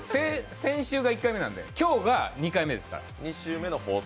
先週が１回目なんで今日が２回目です。